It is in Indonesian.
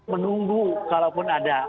menunggu kalaupun ada